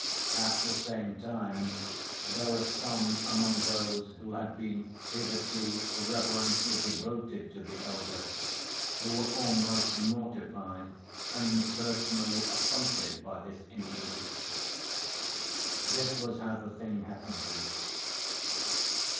At the same time there were some among those who had been hitherto reverently devoted to the elder, who were almost mortified and personally affronted by this incident. This was how the thing happened.